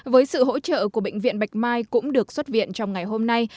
với sự hỗ trợ của bệnh viện bạch mai cũng được xuất viện trong ngày hôm nay